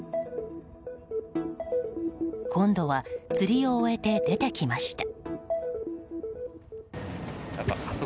今度は釣りを終えて出てきました。